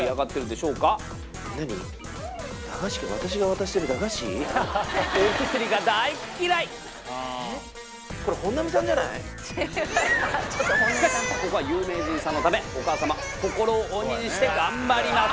しかしここは有名人さんのためお母様心を鬼にして頑張ります。